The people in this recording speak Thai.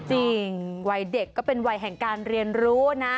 จริงวัยเด็กก็เป็นวัยแห่งการเรียนรู้นะ